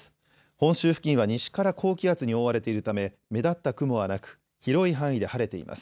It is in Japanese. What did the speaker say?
本州付近は西から高気圧に覆われているため目立った雲はなく、広い範囲で晴れています。